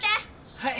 はい。